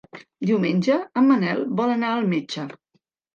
Diumenge en Manel vol anar al metge.